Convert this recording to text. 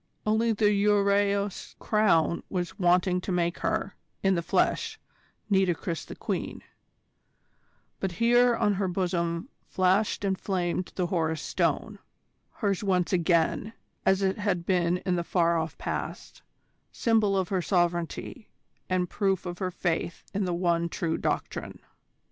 Only the Ureaus Crown was wanting to make her, in the flesh, Nitocris the Queen: but here on her bosom flashed and flamed the Horus Stone hers once again, as it had been in the far off past, symbol of her sovereignty, and proof of her faith in the one true Doctrine.